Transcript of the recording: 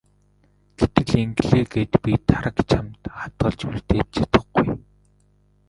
Гэтэл ингэлээ гээд би Тараг чамд хадгалж үлдээж чадахгүй.